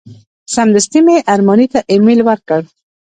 سمدستي مې ارماني ته ایمیل ورکړ.